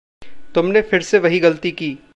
तुम ने फिर से वही गलती की।